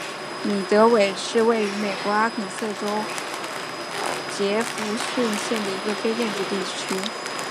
米德韦是位于美国阿肯色州杰佛逊县的一个非建制地区。